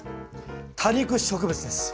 多肉植物です。